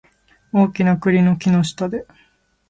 大きな栗の木の下で